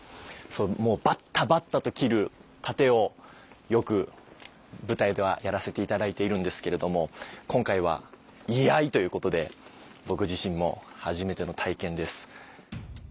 もうバッタバッタと斬る殺陣をよく舞台ではやらせて頂いているんですけれども今回は居合ということで僕自身も初めての体験です。